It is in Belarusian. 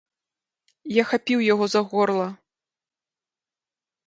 Я хапіў яго за горла.